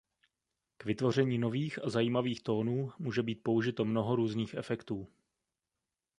K vytvoření nových a zajímavých tónů může být použito mnoho různých efektů.